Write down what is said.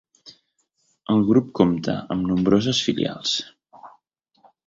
El grup compta amb nombroses filials.